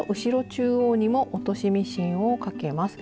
中央にも落としミシンをかけます。